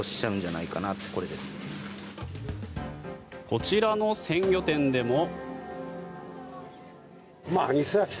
こちらの鮮魚店でも。